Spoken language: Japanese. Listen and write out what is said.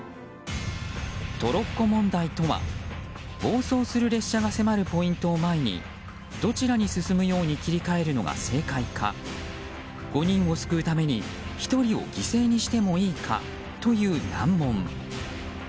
トロッコ問題とは、暴走する列車が迫るポイントを前にどちらに進むように切り替えるのが正解か５人を救うために１人を犠牲にしてもいいかという難問。